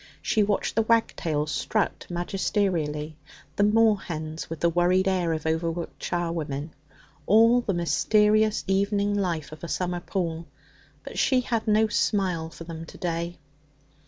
She watched the wagtails strut magisterially, the moorhens with the worried air of overworked charwomen, all the mysterious evening life of a summer pool, but she had no smile for them to day.